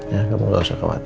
ya kamu nggak usah khawatir